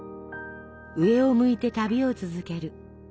上を向いて旅を続ける。